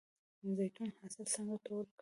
د زیتون حاصل څنګه ټول کړم؟